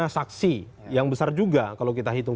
ada saksi yang besar juga kalau kita hitung